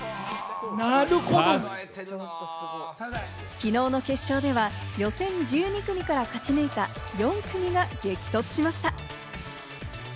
きのうの決勝では、予選１２組から勝ち抜いた４組が激突しました。